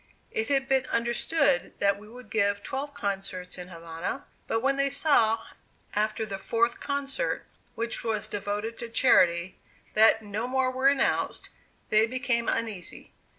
It had been understood that we would give twelve concerts in Havana; but when they saw, after the fourth concert, which was devoted to charity, that no more were announced, they became uneasy.